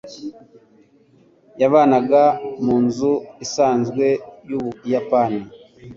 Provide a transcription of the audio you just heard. Yabanaga munzu isanzwe yubuyapani.